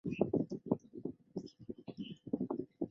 诺维萨是一个重要的大学城。